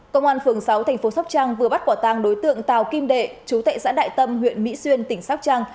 công an phường sáu tp sóc trăng vừa bắt quả tàng đối tượng tàu kim đệ chú tệ xã đại tâm huyện mỹ xuyên tỉnh sóc trăng